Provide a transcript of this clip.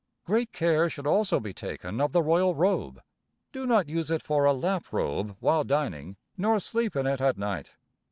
Great care should also be taken of the royal robe. Do not use it for a lap robe while dining, nor sleep in it at night.